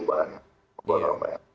bisa membuat kembarannya